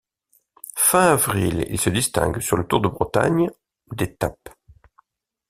Fin avril, il se distingue sur le Tour de Bretagne, d'étape.